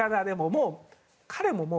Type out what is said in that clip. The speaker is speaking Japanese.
でももう彼も。